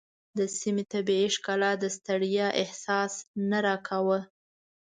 د سیمې طبیعي ښکلا د ستړیا احساس نه راکاوه.